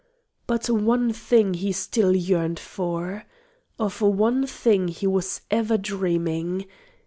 But one thing he still yearned for of one thing he was ever dreaming.